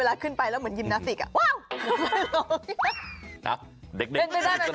เวลาขึ้นไปแล้วเหมือนยิมนาติกว้าวลงอยู่